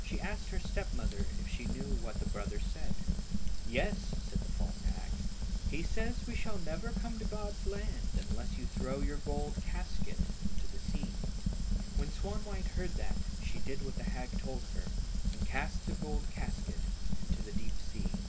She asked her step mother if she knew what her brother said. "Yes," said the false hag; "he says we shall never come to God's land unless you throw your gold casket into the sea." When Swanwhite heard that, she did what the hag told her, and cast the gold casket into the deep sea.